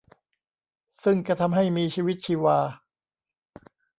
ซึ่งจะทำให้มีชีวิตชีวา